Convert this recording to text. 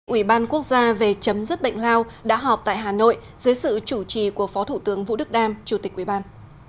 ủy ban quốc gia về chấm dứt bệnh lao đã họp tại hà nội dưới sự chủ trì của phó thủ tướng vũ đức đam chủ tịch ủy ban